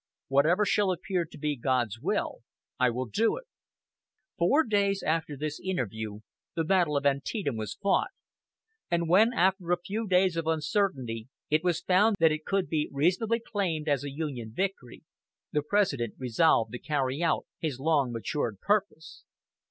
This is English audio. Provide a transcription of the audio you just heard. Whatever shall appear to be God's will, I will do." Four days after this interview the battle of Antietam was fought, and when, after a few days of uncertainty it was found that it could be reasonably claimed as a Union victory, the President resolved to carry out his long matured purpose.